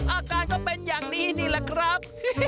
อาการก็เป็นอย่างนี้นี่แหละครับ